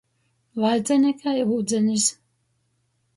Vaidzeni kai ūdzenis.